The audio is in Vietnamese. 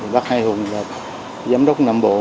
bác hai hùng là giám đốc nam bộ